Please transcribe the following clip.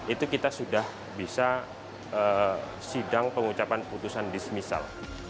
itu kita sudah bisa sidang pengucapan putusan dismisal